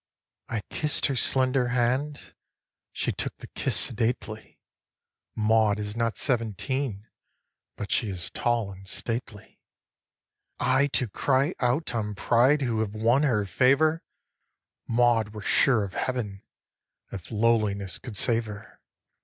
I kiss'd her slender hand, She took the kiss sedately; Maud is not seventeen, But she is tall and stately. 5. I to cry out on pride Who have won her favour! Maud were sure of Heaven If lowliness could save her.